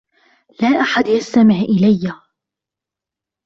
لا أحد يستمع إليّ.